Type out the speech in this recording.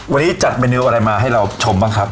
วันนี้จัดเมนูอะไรมาให้เราชมบ้างครับ